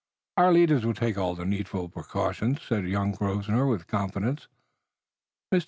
"Our leaders will take all the needful precautions," said young Grosvenor with confidence. Mr.